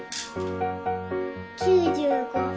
９５。